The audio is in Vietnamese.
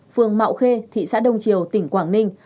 phường mạo khê thị xã đông triều tỉnh quảng ninh